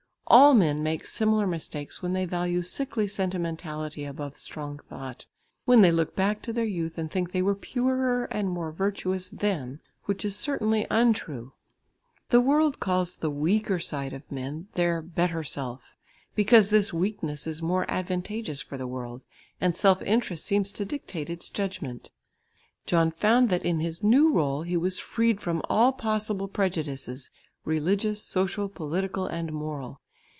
All men make similar mistakes when they value sickly sentimentality above strong thought, when they look back to their youth and think they were purer and more virtuous then, which is certainly untrue. The world calls the weaker side of men their "better self," because this weakness is more advantageous for the world and self interest seems to dictate its judgment. John found that in his new rôle he was freed from all possible prejudices religious, social, political and moral.